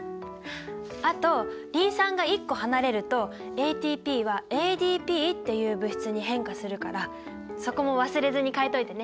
あとリン酸が１個離れるとＡＴＰはＡＤＰっていう物質に変化するからそこも忘れずに変えといてね。